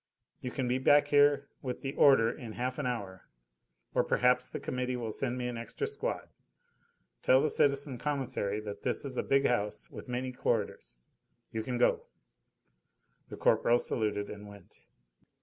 You can be back here with the order in half an hour, or perhaps the committee will send me an extra squad; tell the citizen Commissary that this is a big house, with many corridors. You can go." The corporal saluted and went.